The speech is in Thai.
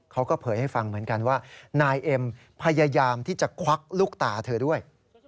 เผยให้ฟังเหมือนกันว่านายเอ็มพยายามที่จะควักลูกตาเธอด้วย